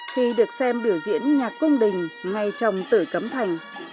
khi được xem biểu diễn nhạc cung đình ngay trong tử cấm thành